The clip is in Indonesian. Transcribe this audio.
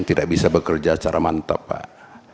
tidak bisa bekerja secara mantap pak